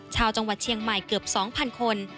ชาวจังหวัดเชียงใหม่เกือบ๒๐๐คน